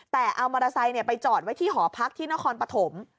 แต่เอามอเตอร์ไซค์ไปจอดไว้ที่หอพักที่นครปฐม